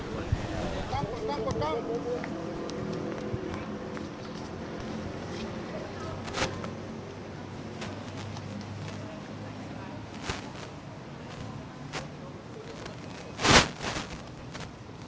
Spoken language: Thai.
หลังจากการสนุกพร้อมของภารกิจนุกภาพโนมัติ